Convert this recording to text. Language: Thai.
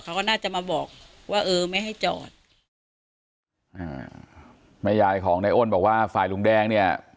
เขาก็น่าจะมาบอกว่าเออไม่ให้จอดอ่าแม่ยายของในอ้นบอกว่าฝ่ายลุงแดงเนี่ย